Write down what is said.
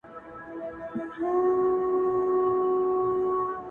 په نصيب يې وې ښادۍ او نعمتونه!!